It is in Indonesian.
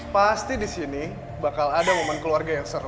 pasti disini bakal ada momen keluarga yang seru